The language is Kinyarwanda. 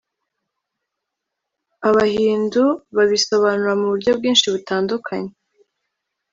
abahindu babisobanura mu buryo bwinshi butandukanye